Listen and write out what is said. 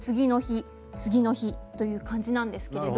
次の日という感じです。